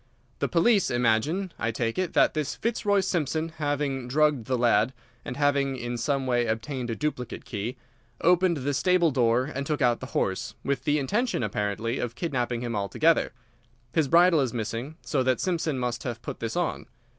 "The police imagine, I take it, that this Fitzroy Simpson, having drugged the lad, and having in some way obtained a duplicate key, opened the stable door and took out the horse, with the intention, apparently, of kidnapping him altogether. His bridle is missing, so that Simpson must have put this on.